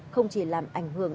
không chỉ làm ảnh hưởng